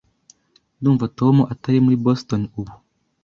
Ndumva Tom atari muri Boston ubu.